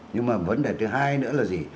nhưng mà vấn đề thứ hai nữa là gì